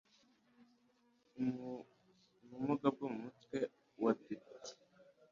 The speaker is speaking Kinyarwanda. ubumuga mu Mutwe w Abadepite